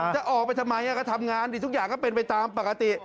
จะออกไปทำไมก็ทำงานดิทุกอย่างก็เป็นไปตามปกติ